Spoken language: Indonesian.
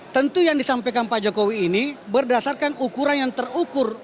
tentu yang disampaikan pak jokowi ini berdasarkan ukuran yang terukur